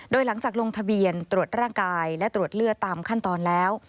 โดยหลังจากลงทะเบียนตรวจร่างกายและตรวจเลือดตามขั้นตอนแล้ว